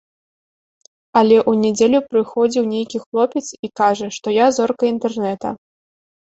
Але ў нядзелю праходзіў нейкі хлопец і кажа, што я зорка інтэрнэта.